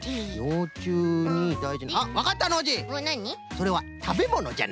それはたべものじゃな？